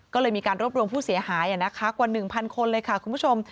ก็เลยมีการรวบรวมผู้เสียหายกว่า๑๐๐คนเลยค่ะคุณผู้ชม